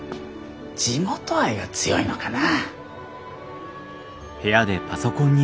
地元愛が強いのかなぁ。